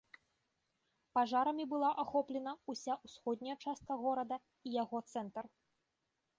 Пажарамі была ахоплена ўся ўсходняя частка горада і яго цэнтр.